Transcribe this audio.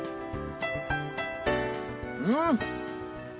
うん！